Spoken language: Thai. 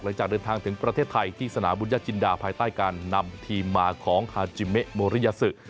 หลังจากเดินทางถึงประเทศไทยที่สนามบุญญจินดาภายใต้การนำทีมมาของฮาจิเมะโมริยาศึก